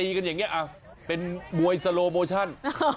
กันอย่างนี้เป็นมวยสโลโมชั่น